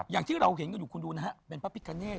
อย่างที่เราเห็นกับอยู่คุณดูเป็นพระพิทธิ์ฆาเนธ